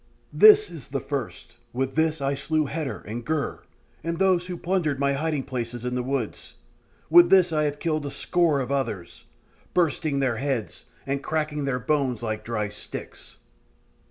"This is the first: with this I slew Hetter and Gur, and those who plundered my hiding places in the woods; with this I have killed a score of others, bursting their heads, and cracking their bones like dry sticks.